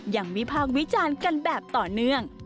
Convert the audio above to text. ยังมีภาควิจารณ์กันแบบต่อเนื่อง